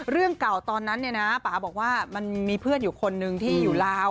เรื่องเก่าตอนนั้นเนี่ยนะป่าบอกว่ามันมีเพื่อนอยู่คนนึงที่อยู่ลาว